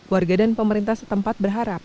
warga dan pemerintah setempat berharap